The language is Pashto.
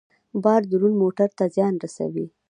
بار دروند موټر ته زیان رسوي.